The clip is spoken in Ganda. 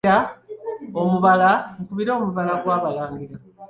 Nkubira omubala gw'Abalangira.